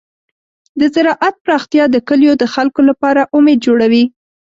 د زراعت پراختیا د کلیو د خلکو لپاره امید جوړوي.